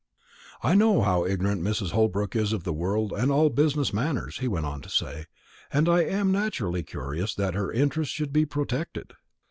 "I know how ignorant Mrs. Holbrook is of the world and of all business matters," he went on to say, "and I am naturally anxious that her interests should be protected."